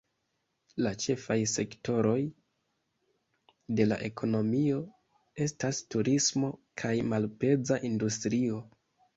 La ĉefaj sektoroj de la ekonomio estas turismo kaj malpeza industrio.